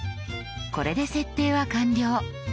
これで設定は完了。